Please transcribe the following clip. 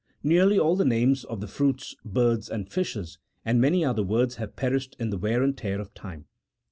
Nearly all the names of fruits, birds, and fishes, and many other words have perished in the wear and tear of time.